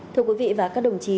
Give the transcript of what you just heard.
thưa quý vị và các đồng chí